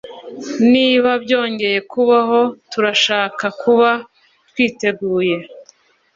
Niba byongeye kubaho turashaka kuba twiteguye